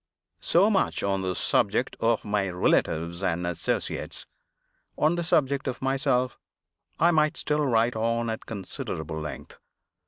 So much on the subject of my relatives and associates. On the subject of myself, I might still write on at considerable length.